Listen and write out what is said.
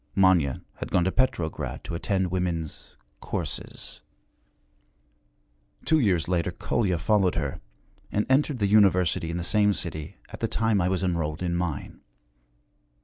Manya had gone to Petrograd to attend women's 'courses.' Two years later Kolya followed her, and entered the University in the same city at the time I was enrolled in mine.